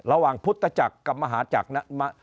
ระหว่างพุทธจักรกับมหาจักรนะ